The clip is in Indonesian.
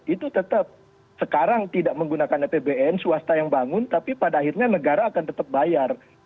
itu tetap sekarang tidak menggunakan apbn swasta yang bangun tapi pada akhirnya negara akan tetap bayar